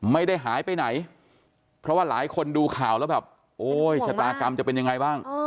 ไม่ได้หายไปไหนเพราะว่าหลายคนดูข่าวแล้วแบบโอ้ยชะตากรรมจะเป็นยังไงบ้าง